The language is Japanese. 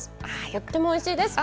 とってもおいしいです。